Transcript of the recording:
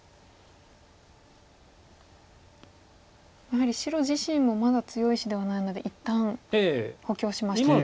やはり白自身もまだ強い石ではないので一旦補強しましたか。